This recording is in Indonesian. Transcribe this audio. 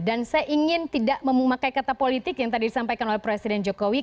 dan saya ingin tidak memakai kata politik yang tadi disampaikan oleh presiden jokowi